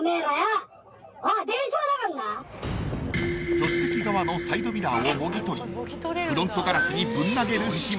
［助手席側のサイドミラーをもぎ取りフロントガラスにぶん投げる始末］